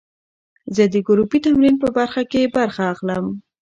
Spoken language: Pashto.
زه د ګروپي تمرین په برخه کې برخه اخلم.